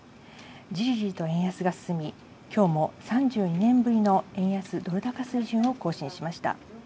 ジリジリと円安が進み、今日も３２年ぶりの円安ドル高水準を更新しました。